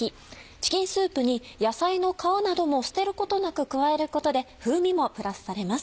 チキンスープに野菜の皮なども捨てることなく加えることで風味もプラスされます。